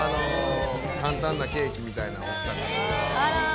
簡単なケーキみたいなのを奥さんが作って。